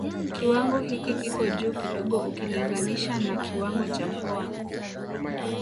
Kiwango hiki kiko juu kidogo ukilinginisha na kiwango cha Mkoa